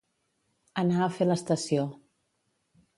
Anar a fer l'estació.